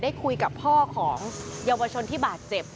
ได้คุยกับพ่อของเยาวชนที่บาดเจ็บ